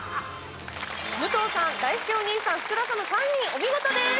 武藤さん、だいすけお兄さん福田さんの３人、お見事です。